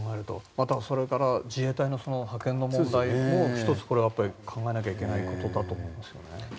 また、それから自衛隊の派遣の問題も１つ、これは考えなきゃいけないことだと思いますけどね。